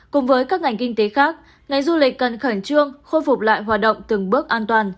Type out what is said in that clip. cùng với các ngành kinh tế khác ngành du lịch cần khẩn trương khôi phục lại hoạt động từng bước an toàn